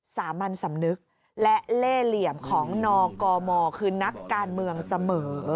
สามัญสำนึกและเล่เหลี่ยมของนกมคือนักการเมืองเสมอ